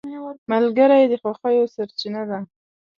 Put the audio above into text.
ملګری د خوښیو سرچینه ده